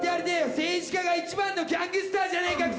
政治家が一番のギャングスターじゃねえかくそ！